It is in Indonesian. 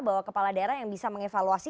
bahwa kepala daerah yang bisa mengevaluasi